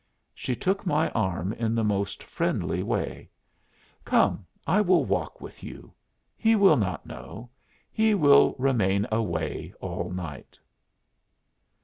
She took my arm in the most friendly way. "Come, I will walk with you. He will not know he will remain away all night."